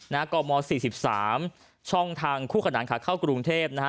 กมสี่สิบสามช่องทางคู่ขนานขาเข้ากรุงเทพนะฮะ